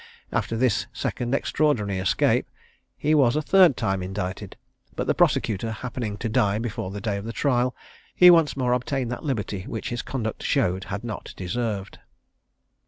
After this second extraordinary escape, he was a third time indicted; but the prosecutor happening to die before the day of trial, he once more obtained that liberty which his conduct showed had not deserved.